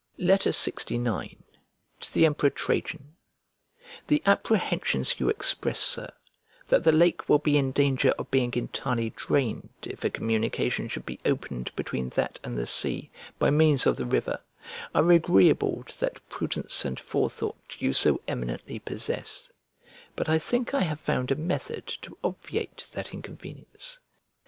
LXIX To THE EMPEROR TRAJAN THE apprehensions you express, Sir, that the lake will be in danger of being entirely drained if a communication should be opened between that and the sea, by means of the river, are agreeable to that prudence and forethought you so eminently possess; but I think I have found a method to obviate that inconvenience.